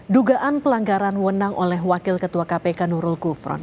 dugaan pelanggaran wenang oleh wakil ketua kpk nurul gufron